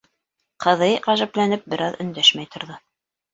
Ҡыҙый, ғәжәпләнеп, бер аҙ өндәшмәй торҙо.